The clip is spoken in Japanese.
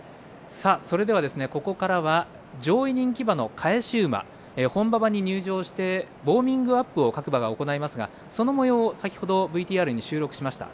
それでは、ここからは上位人気馬の返し馬本馬場に入場してウォーミングアップを各馬が行いますがそのもようを先ほどＶＴＲに収録しました。